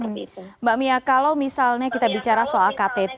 mbak mia kalau misalnya kita bicara soal ktt